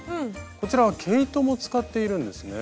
こちらは毛糸も使っているんですね。